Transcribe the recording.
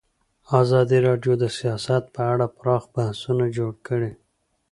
ازادي راډیو د سیاست په اړه پراخ بحثونه جوړ کړي.